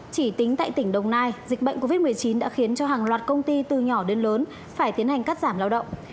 chỉ tính tại tỉnh đồng nai dịch bệnh covid một mươi chín đã khiến cho hàng loạt công ty từ nhỏ đến lớn phải tiến hành cắt giảm lao động